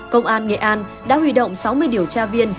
công an nghệ an đã huy động sáu mươi điều tra viên